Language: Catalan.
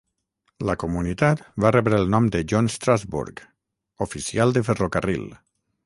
La comunitat va rebre el nom de John Strasburg, oficial de ferrocarril.